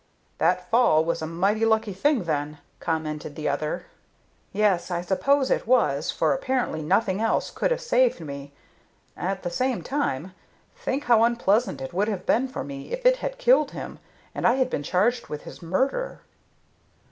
"That fall was a mighty lucky thing, then," commented the other. "Yes, I suppose it was, for apparently nothing else could have saved me. At the same time, think how unpleasant it would have been for me if it had killed him, and I had been charged with his murder!"